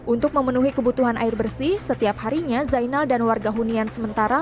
untuk memenuhi kebutuhan air bersih setiap harinya zainal dan warga hunian sementara